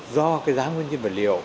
do cái giá nguyên liệu